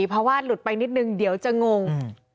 เพราะว่าหลุดไปนิดนึงเดี๋ยวจะงง